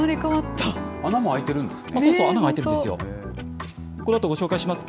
穴も開いてるんですね。